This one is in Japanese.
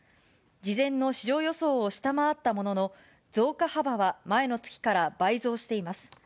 事前の市場予想を下回ったものの、増加幅は前の月から倍増しています。